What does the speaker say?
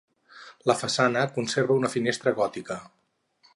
La façana conserva una finestra gòtica.